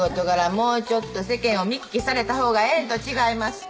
もうちょっと世間を見聞きされたほうがええんとちがいますか？